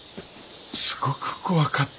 すごく怖かった。